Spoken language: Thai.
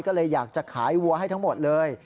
ก็เลยอยากจะขายวัวให้ทั้งหมดเลย